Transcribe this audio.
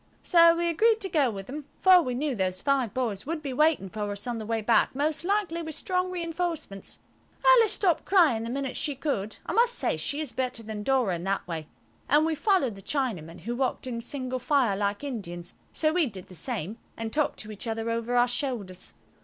So we agreed to go with them, for we knew those five boys would be waiting for us on the way back, most likely with strong reinforcements. Alice stopped crying the minute she could–I must say she is better than Dora in that way–and we followed the Chinamen, who walked in single file like Indians, so we did the same, and talked to each other over our shoulders.